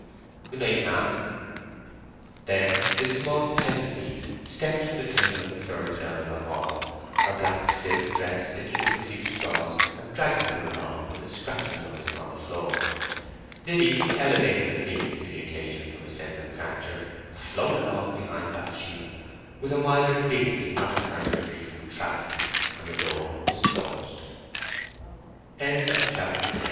"Good night, ma'am." Then this small thesmothete stepped from the table, and surged out of the hall, her black silk dress licking up a few straws and dragging them along with a scratching noise upon the floor. Liddy, elevating her feelings to the occasion from a sense of grandeur, floated off behind Bathsheba with a milder dignity not entirely free from travesty, and the door was closed. CHAPTER XI OUTSIDE THE BARR